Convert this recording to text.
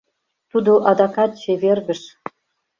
Тудо адакат чевергыш.